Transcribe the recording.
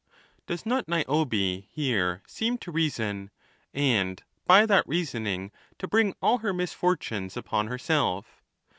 Does not IsTiobe here seem to reason, and by that rea soning to bring all her misfortunes upon herself?